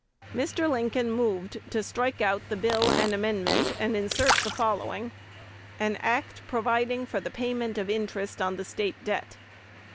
"Mr. Lincoln moved to strike out the bill and amendment, and insert the following: "An Act providing for the payment of interest on the State debt.